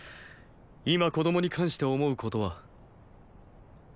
今子供に関して思うことは。